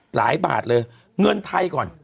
หลายบาทเลยเงินไทยก่อน